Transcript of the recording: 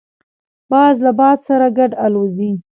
باز له باد سره ګډ الوزي